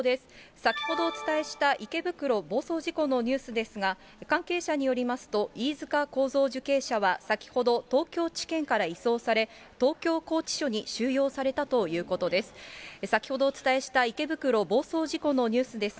先ほどお伝えした池袋暴走事故のニュースですが、関係者によりますと、飯塚幸三受刑者は先ほど、東京地検から移送され、東京拘置所に収容されたということです。